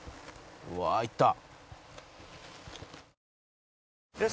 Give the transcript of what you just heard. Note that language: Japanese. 「うわー！いった」